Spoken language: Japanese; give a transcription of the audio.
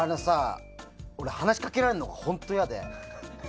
俺、話しかけられるの本当に嫌で。